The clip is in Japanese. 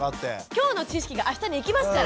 今日の知識があしたに生きますから。